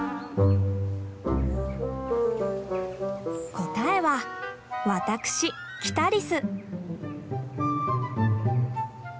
答えは私キタリス。